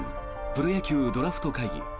プロ野球ドラフト会議。